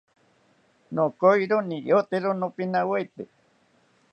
Akoyori niyotero nopinawete